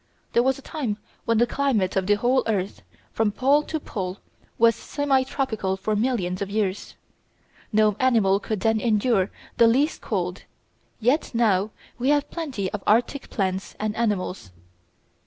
There was a time when the climate of the whole earth, from pole to pole, was semi tropical for millions of years. No animal could then endure the least cold, yet now we have plenty of Arctic plants and animals.